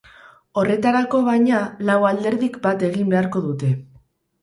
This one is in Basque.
Horretarako, baina, lau alderdik bat egin beharko dute.